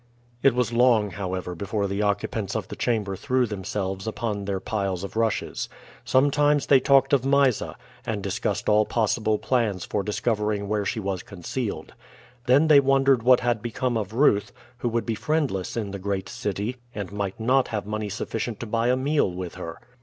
It was long, however, before the occupants of the chamber threw themselves upon their piles of rushes. Sometimes they talked of Mysa, and discussed all possible plans for discovering where she was concealed. Then they wondered what had become of Ruth, who would be friendless in the great city, and might not have money sufficient to buy a meal with her.